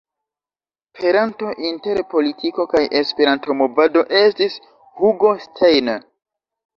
Peranto inter politiko kaj Esperanto-movado estis Hugo Steiner.